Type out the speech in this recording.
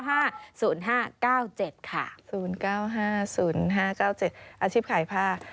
๐๙๕๐๕๙๗อาชีพขายผ้า